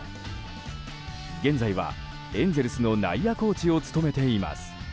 現在はエンゼルスの内野コーチを務めています。